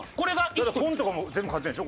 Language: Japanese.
本とかも全部買ってるんでしょ？